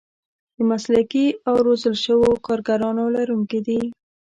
د مسلکي او روزل شوو کارګرانو لرونکي دي.